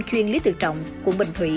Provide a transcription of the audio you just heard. chuyên lý tự trọng quận bình thủy